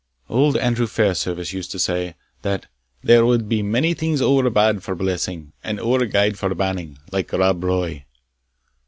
Old Andrew Fairservice used to say, that "There were many things ower bad for blessing, and ower gude for banning, like Rob Roy."